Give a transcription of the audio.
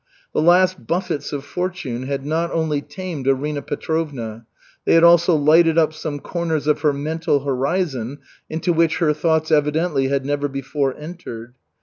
The last buffets of fortune had not only tamed Arina Petrovna; they had also lighted up some corners of her mental horizon into which her thoughts evidently had never before entered.